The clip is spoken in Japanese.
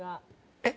えっ？